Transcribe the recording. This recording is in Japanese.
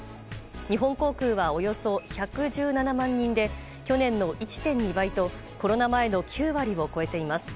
日本航空は、およそ１１７万人で去年の１．２倍とコロナ前の９割を超えています。